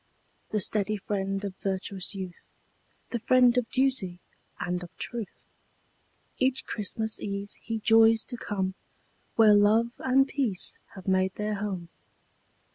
The steady friend of virtuous youth, The friend of duty, and of truth, Each Christmas eve he joys to come Where love and peace have made their home.